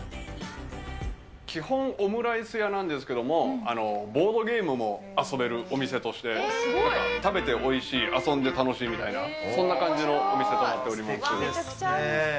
基本、オムライス屋なんですけれども、ボードゲームも遊べるお店として、食べておいしい、遊んで楽しいみたいな、そんな感じのお店となっております。